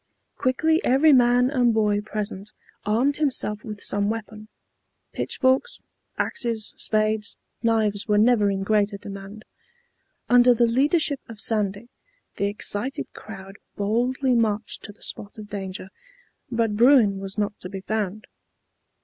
Quickly every man and boy present armed himself with some weapon; pitchforks, axes, spades, knives were never in greater demand. Under the leadership of Sandy, the excited crowd boldly marched to the spot of danger, but Bruin was not to be found.